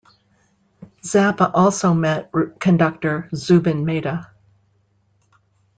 Zappa also met conductor Zubin Mehta.